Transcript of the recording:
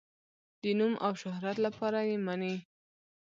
د نوم او شهرت لپاره یې مني.